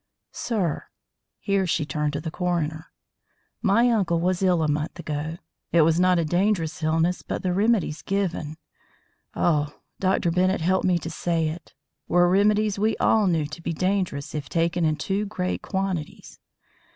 Sir," here she turned to the coroner, "my uncle was ill a month ago. It was not a dangerous illness, but the remedies given Oh! Dr. Bennett help me to say it were remedies we all knew to be dangerous if taken in too great quantities.